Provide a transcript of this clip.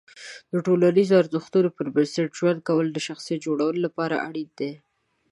د ټولنیزو ارزښتونو پر بنسټ ژوند کول د شخصیت جوړونې لپاره اړین دي.